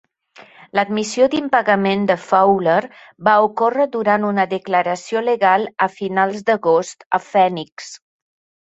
L'admissió d'impagament de Fowler va ocórrer durant una declaració legal a finals d'agost a Fènix.